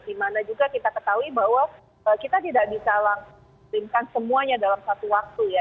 dimana juga kita ketahui bahwa kita tidak bisa langsungkan semuanya dalam satu waktu ya